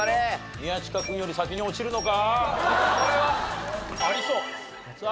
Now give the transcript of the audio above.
宮近君より先に落ちるか？